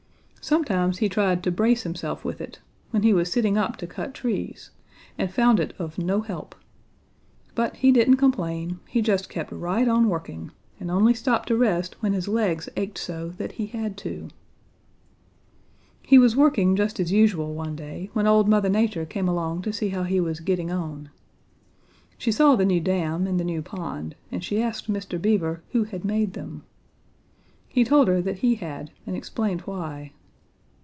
Sometimes he tried to brace himself with it when he was sitting up to cut trees, and found it of no help. But he didn't complain; he just kept right on working, and only stopped to rest when his legs ached so that he had to. "He was working just as usual one day when Old Mother Nature came along to see how he was getting on. She saw the new dam and the new pond, and she asked Mr. Beaver who had made them. He told her that he had and explained why.